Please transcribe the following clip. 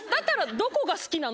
「どこが好きなの？」